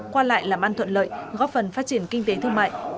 qua lại làm ăn thuận lợi góp phần phát triển kinh tế thương mại